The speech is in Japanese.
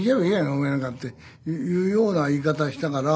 お前なんかっていうような言い方してたから。